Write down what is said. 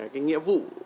cái nghĩa vụ